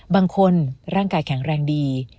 บางคนร่างกายแข็งแรงดี